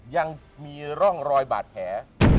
ยังมีร่องรอยบาดแผล